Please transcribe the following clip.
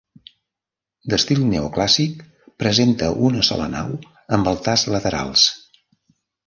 D'estil neoclàssic presenta una sola nau amb altars laterals.